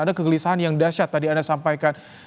ada kegelisahan yang dahsyat tadi anda sampaikan